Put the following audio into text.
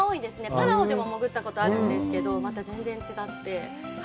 パラオでも潜ったことがあるんですけど、また全然違って。